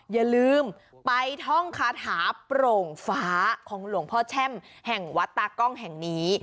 อย่าลืมไปท่องคาถาโปร่งฟ้าของหลวงพ่อแช่มแห่งวัดตากล้องแห่งนี้